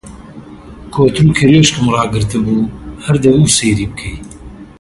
کۆتر و کەروێشکم ڕاگرتبوو، هەر دەبوو سەیری بکەی!